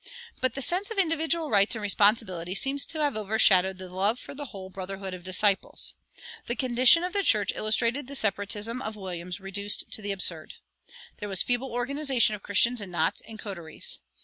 But the sense of individual rights and responsibilities seems to have overshadowed the love for the whole brotherhood of disciples. The condition of the church illustrated the Separatism of Williams reduced to the absurd. There was feeble organization of Christians in knots and coteries.